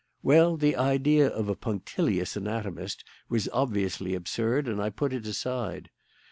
Well, the idea of a punctilious anatomist was obviously absurd, and I put it aside.